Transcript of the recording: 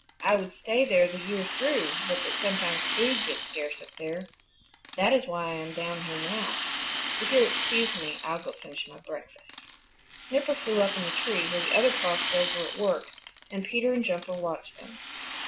I would stay there the year through but that sometimes food gets scarce up there. That is why I am down here now. If you'll excuse me, I'll go finish my breakfast." Snipper flew up in the tree where the other Crossbills were at work and Peter and Jumper watched them.